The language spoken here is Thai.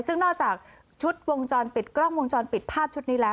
ซึ่งนอกจากชุดวงจรปิดกล้องวงจรปิดภาพชุดนี้แล้ว